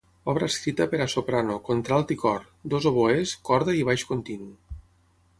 Obra escrita per a soprano, contralt i cor; dos oboès, corda i baix continu.